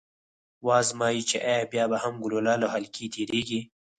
و ازمايئ چې ایا بیا هم ګلوله له حلقې تیریږي؟